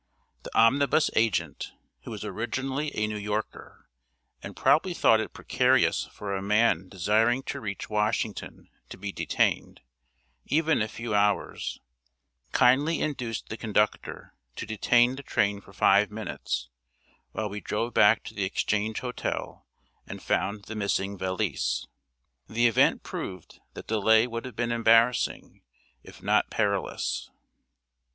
The omnibus agent, who was originally a New Yorker, and probably thought it precarious for a man desiring to reach Washington to be detained, even a few hours, kindly induced the conductor to detain the train for five minutes while we drove back to the Exchange Hotel and found the missing valise. The event proved that delay would have been embarrassing, if not perilous.